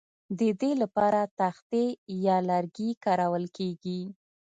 د دې لپاره تختې یا لرګي کارول کیږي